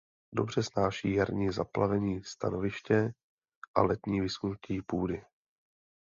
Dobře snáší jarní zaplavení stanoviště a letní vyschnutí půdy.